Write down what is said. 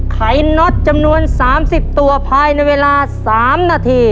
ขน็อตจำนวน๓๐ตัวภายในเวลา๓นาที